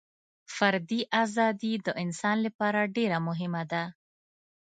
فردي ازادي د انسان لپاره ډېره مهمه ده.